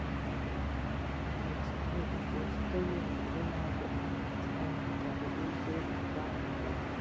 ستوني غرونه د افغانستان د طبیعي زیرمو برخه ده.